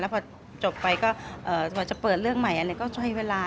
แล้วพอจบไปก็จะเปิดเรื่องใหม่อันนี้ก็ใช้เวลา